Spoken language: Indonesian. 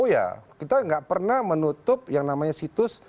ya kita nggak pernah menutup yang namanya situs